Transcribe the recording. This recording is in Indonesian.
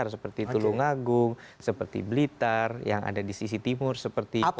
seperti tulu ngagung seperti blitar yang ada di sisi timur seperti kuala rogo